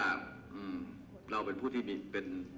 เราเป็นผู้ที่มีเป็น